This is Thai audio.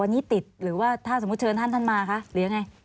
วันนี้ติดหรือว่าถ้าเชิญท่านมาค่ะคือยังไง